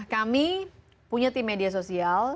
kami punya tim media sosial